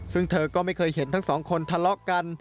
ซึ่งเธอก็ไม่เคยเห็นทั้งสองคนทะเลาะกัน